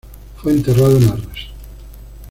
Fue enterrado en Arras.